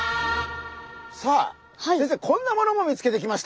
さあ先生こんなものも見つけてきました。